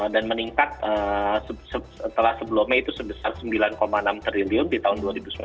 dan meningkat setelah sebelumnya itu sebesar sembilan enam triliun di tahun dua ribu sembilan belas